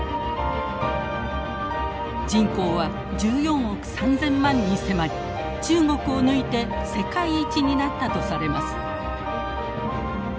人口は１４億３，０００万に迫り中国を抜いて世界一になったとされます。